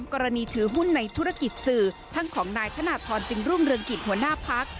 กรณีถือหุ้นในธุรกิจสื่อทั้งของนายธนทรจึงรุ่งเรืองกิจหัวหน้าพัก